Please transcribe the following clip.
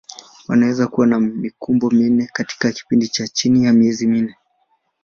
Wanaweza kuwa na mikumbo minne katika kipindi cha chini ya miezi minne.